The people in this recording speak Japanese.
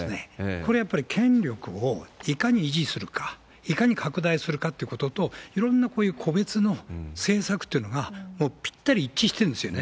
これはやっぱり権力をいかに維持するか、いかに拡大するかってことと、いろんなこういう個別の政策というのがもうぴったり一致してるんですよね。